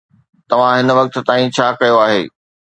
توهان هن وقت تائين ڇا ڪيو آهي؟